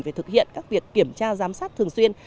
về thực hiện các việc kiểm tra giám sát thường xuyên